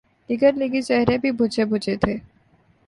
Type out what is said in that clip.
دیگر لیگی چہرے بھی بجھے بجھے تھے۔